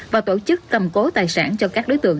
và tổ chức cầm cố tài sản cho các đối tượng